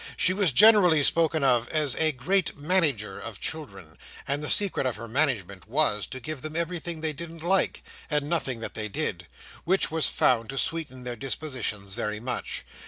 She was generally spoken of as "a great manager" of children; and the secret of her management was, to give them everything that they didn't like, and nothing that they did—which was found to sweeten their dispositions very much.